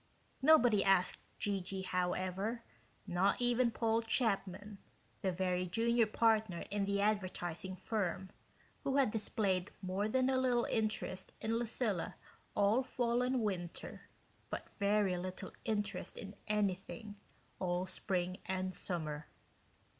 Nobody asked G.G. however not even Paul Chapman, the very junior partner in the advertising firm, who had displayed more than a little interest in Lucilla all fall and winter, but very little interest in anything all spring and summer.